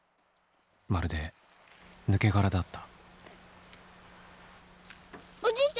まるで抜け殻だった。